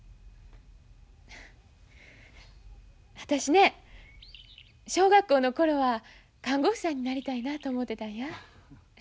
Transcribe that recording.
私ね小学校の頃は看護婦さんになりたいなと思うてたんや。